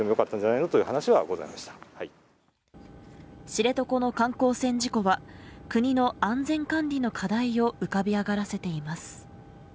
知床の観光船事故は、国の安全管理の課題を浮かび上がらせています。